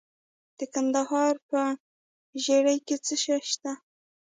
د کندهار په ژیړۍ کې څه شی شته؟